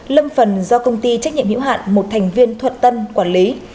lâm phần do công ty trách nhiệm hữu hạn một thành viên thuận tân quản lý